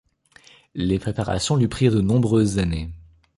Les préparations lui prirent de nombreuses années.